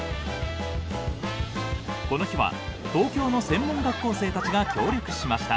この日は東京の専門学校生たちが協力しました。